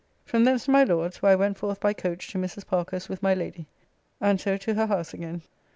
From thence to my Lord's, where I went forth by coach to Mrs. Parker's with my Lady, and so to her house again.